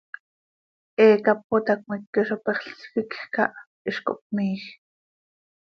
He cápota cmeque zo pexl, sficj cah, hiz cohpmiij.